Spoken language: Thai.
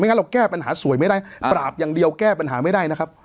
งั้นเราแก้ปัญหาสวยไม่ได้ปราบอย่างเดียวแก้ปัญหาไม่ได้นะครับ